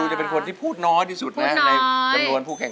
ไม่ต้องมีบ้างนะครับเต็มบ้าง